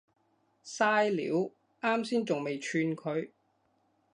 曬料，岩先仲未串佢